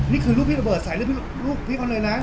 นี่คือรูปพี่ระเบิดใส่ลูกพี่เขาเลยนะ